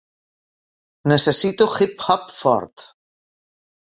Necessito hip-hop fort.